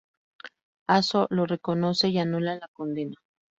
Azzo lo reconoce, y anula la condena.